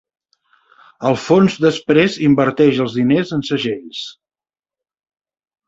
El fons després inverteix els diners en segells.